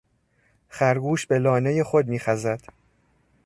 خرگوش به لانهی خود میخزد.